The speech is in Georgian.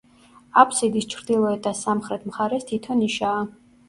აბსიდის ჩრდილოეთ და სამხრეთ მხარეს თითო ნიშაა.